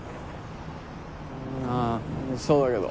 あそうだけど。